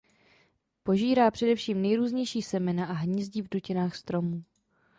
Požírá především nejrůznější semena a hnízdí v dutinách stromů.